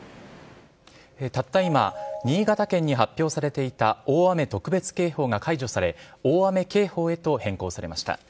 たった今新潟県に発表されていた大雨特別警報が解除され大雨警報へと変更されました。